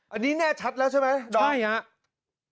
อันนี้แน่ชัดแล้วใช่ไหมดอมใช่ครับ